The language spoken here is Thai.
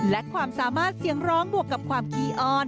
และความสามารถเสียงร้องบวกกับความขี้อ้อน